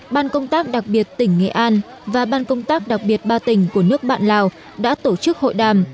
ban công tác đặc biệt tỉnh nghệ an và ban công tác đặc biệt ba tỉnh của nước bạn lào đã tổ chức hội đàm